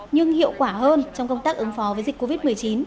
nhưng hiệu quả hơn trong công tác ứng phó với dịch covid một mươi chín